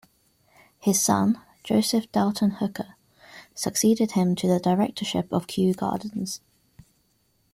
His son, Joseph Dalton Hooker, succeeded him to the Directorship of Kew Gardens.